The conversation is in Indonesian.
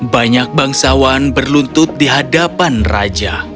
banyak bangsawan berluntut di hadapan raja